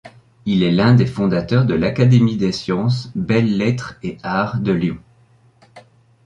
Il est l'un des fondateurs de l'Académie des sciences, belles-lettres et arts de Lyon.